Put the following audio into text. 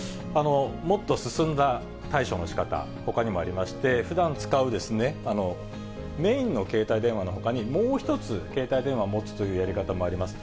もっと進んだ対処のしかた、ほかにもありまして、ふだん使うメインの携帯電話のほかに、もう１つ、携帯電話を持つというやり方もあります。